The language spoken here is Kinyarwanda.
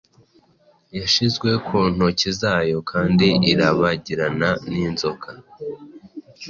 Yashizwe ku ntoki zayo kandi irabagirana ninzoka